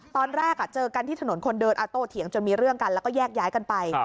ตอนแรกเจอกันที่ถนนคนเดินโตเถียงจนมีเรื่องกันแล้วก็แยกย้ายกันไป